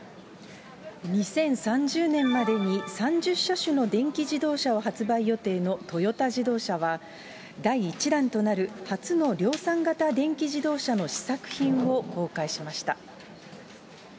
２０３０年までに３０車種の電気自動車を発売予定のトヨタ自動車は、第１弾となる初の量産型電気自動車の試作品を公開しました。